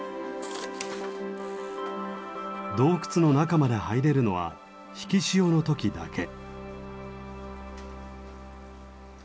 洞窟の中まで入れるのは引き潮の時だけ。